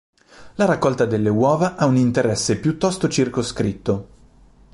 La raccolta delle uova ha un interesse piuttosto circoscritto.